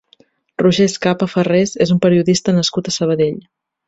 Roger Escapa Farrés és un periodista nascut a Sabadell.